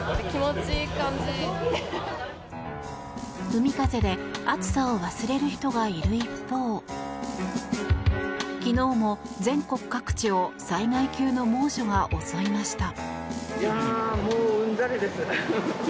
海風で暑さを忘れる人がいる一方昨日も全国各地を災害級の猛暑が襲いました。